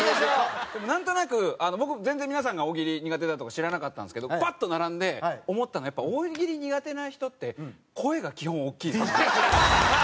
でもなんとなく僕全然皆さんが大喜利苦手だとか知らなかったんですけどバッと並んで思ったのはやっぱ大喜利苦手な人って声が基本大きいですね。